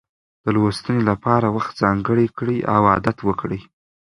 د لوستنې لپاره وخت ځانګړی کړئ او عادت وکړئ.